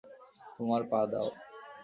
তোমার পা দাও।